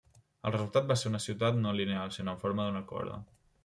El resultat va ser una ciutat no lineal sinó amb la forma d'una corda.